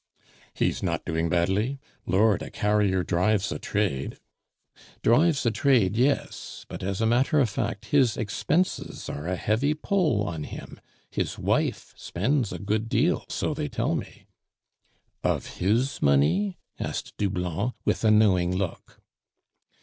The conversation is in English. "He is not doing badly. Lord, a carrier drives a trade " "Drives a trade, yes; but, as a matter of fact, his expenses are a heavy pull on him; his wife spends a good deal, so they tell me " "Of his money?" asked Doublon, with a knowing look.